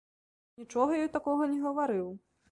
Нічога ёй такога не гаварыў.